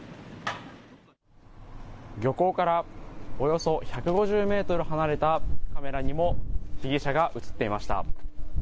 漁港からおよそ１５０メートル離れたカメラにも、被疑者が写っていました。